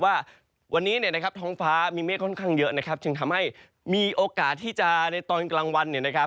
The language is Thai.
ว่าวันนี้ท้องฟ้ามีเมฆค่อนข้างเยอะจึงทำให้มีโอกาสที่จะในตอนกลางวัน